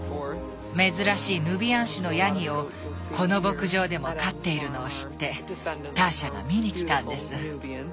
珍しいヌビアン種のヤギをこの牧場でも飼っているのを知ってターシャが見に来たんです。